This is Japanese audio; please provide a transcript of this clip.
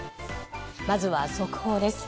まずは速報です。